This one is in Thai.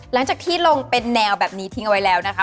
หลังจากที่ลงเป็นแนวแบบนี้ทิ้งเอาไว้แล้วนะคะ